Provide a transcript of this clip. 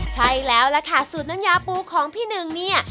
ใช่แล้วล่ะค่ะสูตรน้ำยาปูของพี่หนึ่งเนี่ย